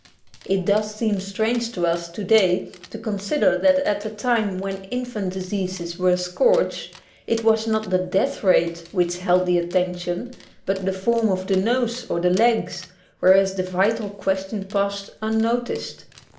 It does seem strange to us today to consider that at a time when infant diseases were a scourge, it was not the death rate which held the attention, but the form of the nose or the legs, whereas the vital question passed un noticed.